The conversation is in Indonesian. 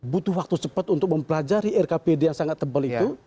butuh waktu cepat untuk mempelajari rkpd yang sangat tebal itu